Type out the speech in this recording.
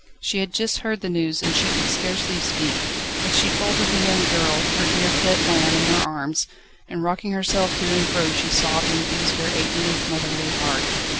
She had just heard the news, and she could scarcely speak, but she folded the young girl, her dear pet lamb, in her arms, and rocking herself to and fro she sobbed and eased her aching, motherly heart.